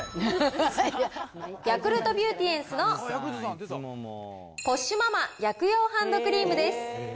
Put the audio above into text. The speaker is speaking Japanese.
ヤクルトビューティエンスのポッシュママ薬用ハンドクリームです。